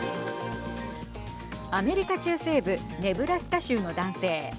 アメリカ中西部ネブラスカ州の男性。